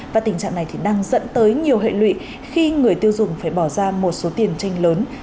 và tình trạng này thì đang dẫn tới nhiều hệ lụy khi người tiêu dùng phải bỏ ra một số tiền tranh lớn